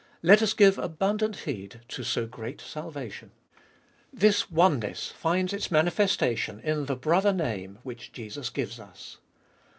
Let us give abundant heed to so great salvation. This oneness finds its manifestation in the Brother name which Jesus gives us.